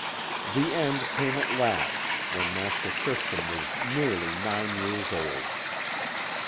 "The end came at last, when Master Christian was nearly nine years old."